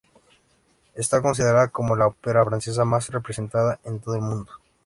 Está considerada como la ópera francesa más representada en todo el mundo.